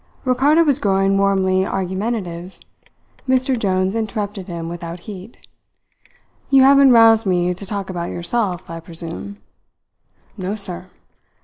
Ricardo was growing warmly argumentative. Mr. Jones interrupted him without heat. "You haven't roused me to talk about yourself, I presume?" "No, sir."